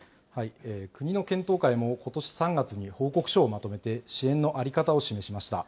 国の検討会も、ことし３月に報告書をまとめて、支援の在り方を示しました。